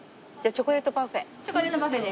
チョコレートパフェで。